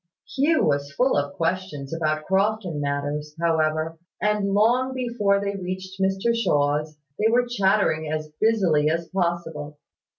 Hugh was full of questions about Crofton matters, however; and long before they reached Mr Shaw's, they were chattering as busily as possible.